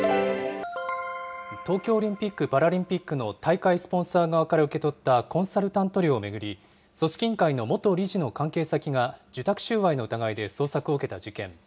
東京オリンピック・パラリンピックの大会スポンサー側から受け取ったコンサルタント料を巡り、組織委員会の元理事の関係先が受託収賄の疑いで捜索を受けた事件。